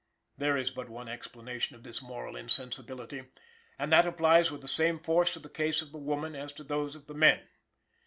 There is but one explanation of this moral insensibility, and that applies with the same force to the case of the woman as to those of the men.